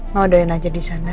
mau udahin aja di sana